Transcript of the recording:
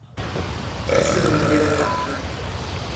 Essere una vera pacchia.